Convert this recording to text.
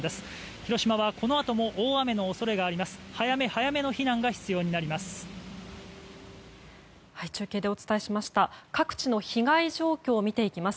広島はこのあとも土砂崩れの恐れがあります。